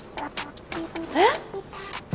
えっ？